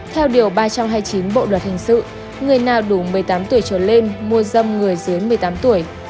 theo điều ba trăm hai mươi chín bộ luật hình sự người nào đủ một mươi tám tuổi trở lên mua dâm người dưới một mươi tám tuổi